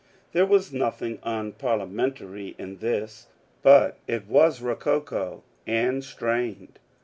There was nothing unparliamentary in this, but it was rococo and strained.